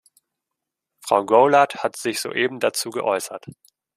Frau Goulard hat sich soeben dazu geäußert.